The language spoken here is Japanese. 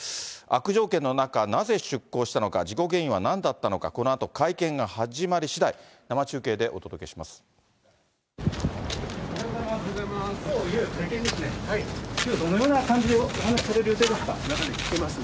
悪条件の中、なぜ出港したのか、事故原因はなんだったのか、このあと会見が始まりしだい、生中継でお届けします。